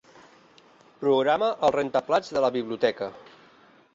Programa el rentaplats de la biblioteca.